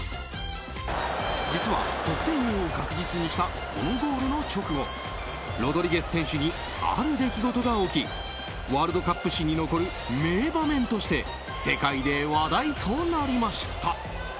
実は得点王を確実にしたこのゴールの直後ロドリゲス選手にある出来事が起きワールドカップ史に残る迷場面として世界で話題となりました。